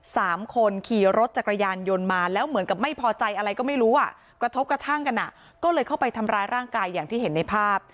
สามคนขี่รถจักรยานยนต์มาแล้วเหมือนกับไม่พอใจอะไรก็ไม่รู้อ่ะกระทบกระทั่งกันอ่ะก็เลยเข้าไปทำร้ายร่างกายอย่างที่เห็นในภาพ